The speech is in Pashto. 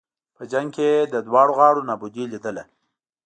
په جنګ کې یې د دواړو غاړو نابودي لېدله.